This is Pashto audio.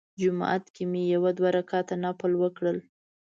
جومات کې مې یو دوه رکعته نفل وکړل.